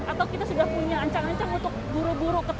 atau kita sudah punya ancang ancang untuk buru buru